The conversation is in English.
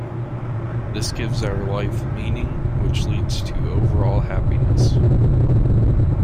This gives our life meaning, which leads to overall happiness.